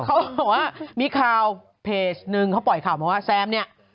เขาบอกว่ามีข่าวเพจนึงเขาปล่อยข่าวมาว่าแซมเนี่ย